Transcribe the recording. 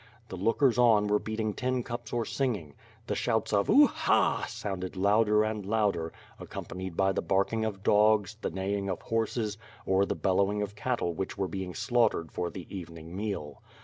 The lookers on were beating tin cups or singing. The shouts of "Uha" sounded louder and louder, accompanied by the barking of dogs, the neighing of horses, or the bellowing of cattle which were being slaughtered for the evening meal.